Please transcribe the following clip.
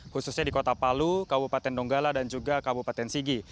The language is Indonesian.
khususnya di kota palu kabupaten donggala dan juga kabupaten sigi